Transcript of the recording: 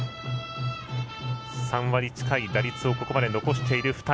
３割近い打率をここまで残している２人。